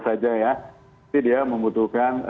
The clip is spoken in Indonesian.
saja ya jadi dia membutuhkan